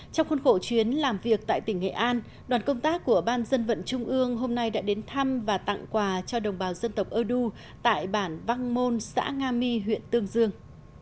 trong khuôn khổ chuyến làm việc tại tỉnh nghệ an đoàn công tác của ban dân vận trung ương hôm nay đã đến thăm và tặng quà cho đồng bào dân tộc ơ đu tại bản văn môn xã nga my huyện tương dương